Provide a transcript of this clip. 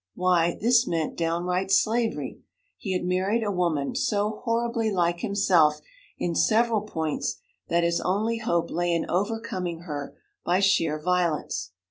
Why, this meant downright slavery! He had married a woman so horribly like himself in several points that his only hope lay in overcoming her by sheer violence.